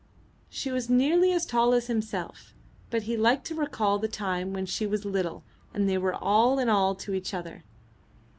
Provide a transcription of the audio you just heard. She was nearly as tall as himself, but he liked to recall the time when she was little and they were all in all to each other.